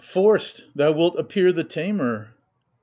Forced, thou wilt appear the tamer